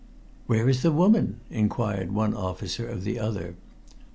"Where is the woman?" inquired one officer of the other.